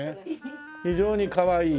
非常にかわいい。